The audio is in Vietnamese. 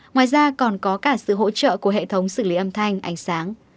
ngoài ra còn có cả sự hỗ trợ của hệ thống xử lý âm thanh ánh sáng